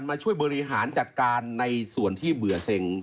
มาช่วยบริหารจัดการในส่วนที่เบื่อเซ็ง